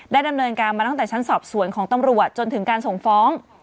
ดำเนินการมาตั้งแต่ชั้นสอบสวนของตำรวจจนถึงการส่งฟ้อง